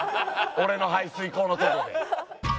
俺の排水口のとこで。